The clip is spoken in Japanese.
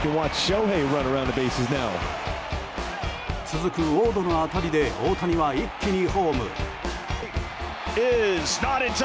続くウォードの当たりで大谷は一気にホーム。